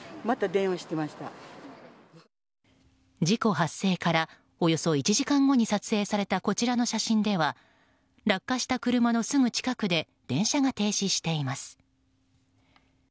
事故発生からおよそ１時間後に撮影されたこちらの写真では落下した車のすぐ近くで電車が停止しています。